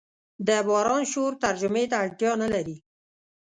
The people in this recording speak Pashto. د باران شور ترجمې ته اړتیا نه لري.